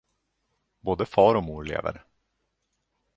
Både far och mor lever.